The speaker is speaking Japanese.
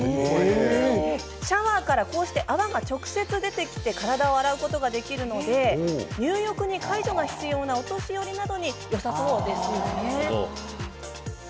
シャワーから泡が直接出てきて体を洗うことができるので入浴に介助が必要なお年寄りなどによさそうですよね。